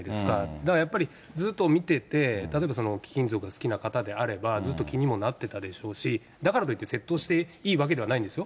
だからやっぱり、ずっと見てて、例えば貴金属が好きな方であれば、ずっと気にもなってたでしょうし、だからといって、窃盗していいわけではないんですよ。